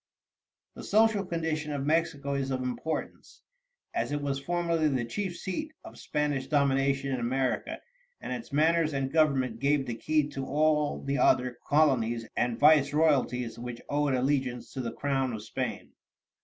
The social condition of Mexico is of importance, as it was formerly the chief seat of Spanish domination in America, and its manners and government gave the key to all the other colonies and viceroyalties which owed allegiance to the crown of Spain.